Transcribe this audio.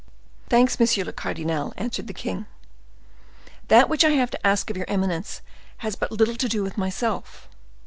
"Thanks, monsieur le cardinal," answered the king; "that which I have to ask of your eminence has but little to do with myself."